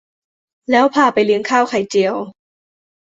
แล้วพาไปเลี้ยงไข่เจียว